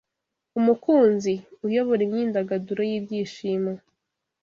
UMUKUNZI, uyobora imyidagaduro yibyishimo